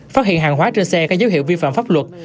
phát hiện hàng hóa trên xe có dấu hiệu vi phạm pháp luật